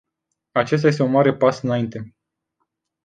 Acesta este un mare pas înainte.